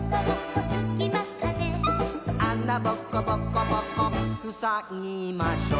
「あなぼこぼこぼこふさぎましょう」